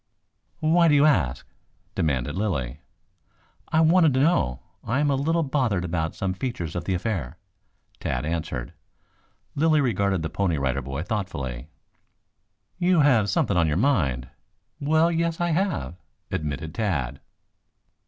"Why do you ask?" demanded Lilly. "I wanted to know. I am a little bothered about some features of the affair," Tad answered. Lilly regarded the Pony Rider Boy thoughtfully. "You have something on your mind?" "Well, yes, I have," admitted Tad.